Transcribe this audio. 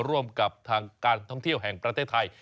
ร่วมกับทางการท่องเที่ยวแห่งประเทศไทย